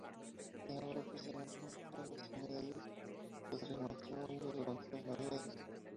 En la obra se nos muestran las realidades de tres matrimonios durante las Navidades.